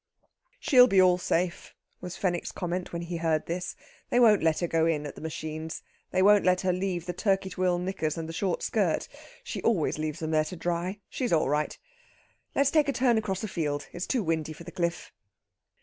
"She'll be all safe," was Fenwick's comment when he heard this. "They won't let her go in, at the machines. They won't let her leave the Turkey twill knickers and the short skirt. She always leaves them there to dry. She's all right. Let's take a turn across the field; it's too windy for the cliff."